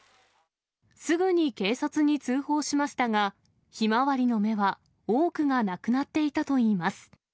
すぐに警察に通報しましたが、ヒマワリの芽は多くがなくなっていたといいます。